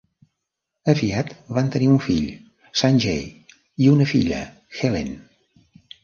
Aviat van tenir un fill, Sanjay, i una filla, Helen.